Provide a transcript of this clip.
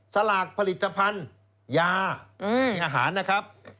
สลากผลิตภัณฑ์ยามีอาหารนะครับ